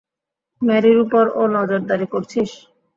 ম্যারির উপর ও নজরদারি করছিস?